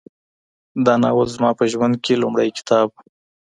دا ناول زما په ژوند کي لومړنی کتاب و.